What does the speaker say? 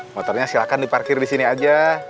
motornya silahkan diparkir di sini aja